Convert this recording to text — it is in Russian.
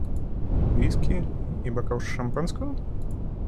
Виски - и бокал шампанского?